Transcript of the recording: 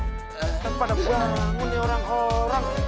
terpada bangun nih orang orang